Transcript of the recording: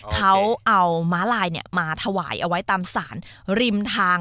เขาเอาม้าลายมาถวายเอาไว้ตามสารริมทาง